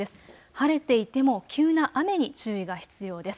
晴れていても急な雨に注意が必要です。